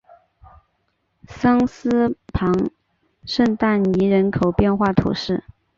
桑斯旁圣但尼人口变化图示